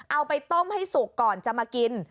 เอาไปต้มให้สุกก่อนจะมากิน